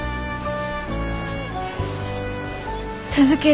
続ける。